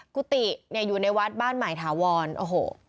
กุฏิเนี่ยอยู่ในวัดบ้านใหม่ถาวรโอ้โห